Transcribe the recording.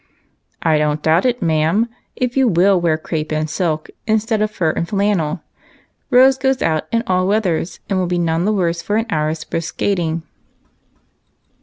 " I don't doubt it, ma'am, if you will wear crape and silk instead of fur and flannel. Rosy goes out in all weathers, and will be none the worse for an hour's brisk skating."